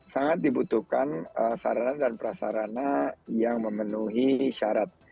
sangat dibutuhkan sarana dan prasarana yang memenuhi syarat